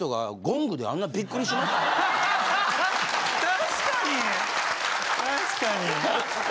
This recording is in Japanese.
確かに確かに。